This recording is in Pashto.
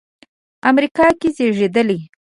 امریکا کې زېږېدلی.